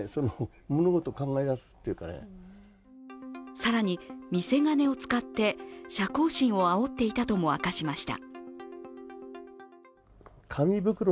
更に、見せ金を使って射幸心をあおっていたとも明かしました。